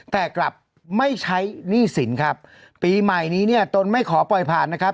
แต่กลับไม่ใช้หนี้สินครับปีใหม่นี้เนี่ยตนไม่ขอปล่อยผ่านนะครับ